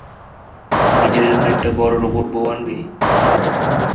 নিজের জন্য একটা বড় রোবট বউ আনবে?